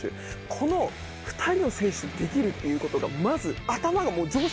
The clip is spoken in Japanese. この２人の選手とできるっていうことがまず。